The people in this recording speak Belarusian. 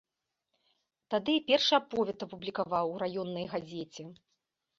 Тады і першы аповед апублікаваў у раённай газеце.